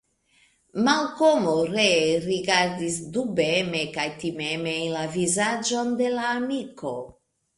Malkomo ree rigardis dubeme kaj timeme en la vizaĝon de la amiko.